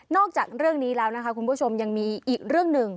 จากเรื่องนี้แล้วนะคะคุณผู้ชมยังมีอีกเรื่องหนึ่ง